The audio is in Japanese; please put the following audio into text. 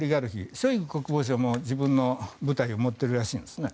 ショイグ国防相も自分の部隊を持っているらしいんですね。